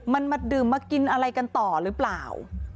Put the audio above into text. มันมาดื่มมากินอะไรกันต่อหรือเปล่า